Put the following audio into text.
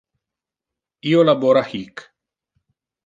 Io labora hic.